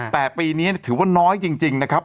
แต่ปีนี้ถือว่าน้อยจริงนะครับ